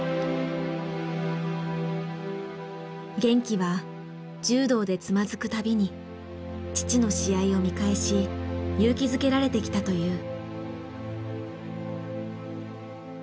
玄暉は柔道でつまずく度に父の試合を見返し勇気づけられてきたという。